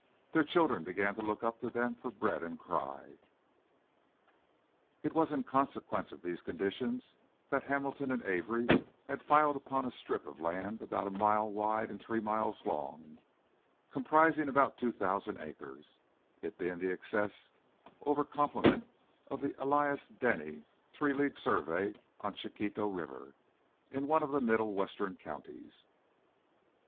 Their children began to look up to them for bread, and cry. It was in consequence of these conditions that Hamilton and Avery had filed upon a strip of land about a mile wide and three miles long, comprising about two thousand acres, it being the excess over complement of the Elias Denny three league survey on Chiquito River, in one of the middle western counties.